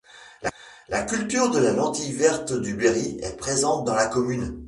La culture de la lentille verte du Berry est présente dans la commune.